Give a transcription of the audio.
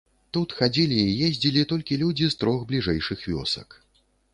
Тут хадзілі і ездзілі толькі людзі з трох бліжэйшых вёсак.